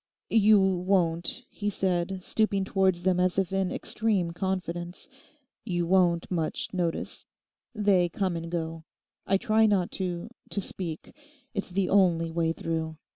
'You won't,' he said, stooping towards them as if in extreme confidence, 'you won't much notice? They come and go. I try not to—to speak. It's the only way through.